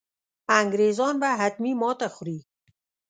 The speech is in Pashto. انګرېزان به حتمي ماته خوري.